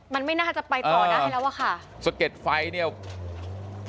มันไม่น่าจะไปต่อได้แล้วค่ะ